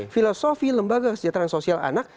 filosofi lembaga kesejahteraan sosial anak